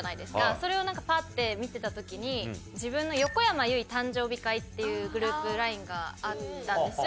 それをパッて見てた時に自分の。っていうグループＬＩＮＥがあったんですよ。